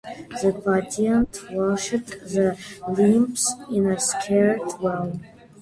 The patient washed his limbs in a sacred well.